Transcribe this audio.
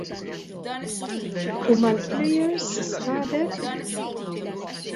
U mal-plejers sħabek?